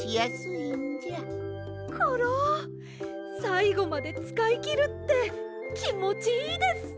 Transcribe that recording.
さいごまでつかいきるってきもちいいです！